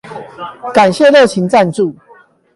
感謝熱情贊助